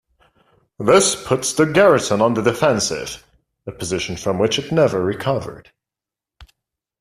This put the garrison on the defensive, a position from which it never recovered.